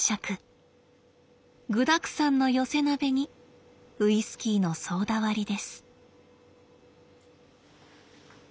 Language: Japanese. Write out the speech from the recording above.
具だくさんの寄せ鍋にウイスキーのソーダ割りです。